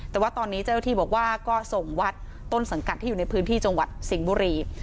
แต่ว่าตอนนี้เจ้าหน้าที่บอกว่าก็ส่งวัดต้นสังกัดที่อยู่ในพื้นที่จังหวัดสิงห์บุรี